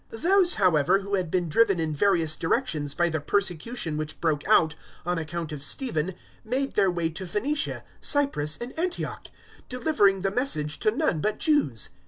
011:019 Those, however, who had been driven in various directions by the persecution which broke out on account of Stephen made their way to Phoenicia, Cyprus and Antioch, delivering the Message to none but Jews.